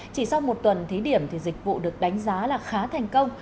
chỉ sau một tuần thí điểm thì dịch vụ được đánh giá là khá thành công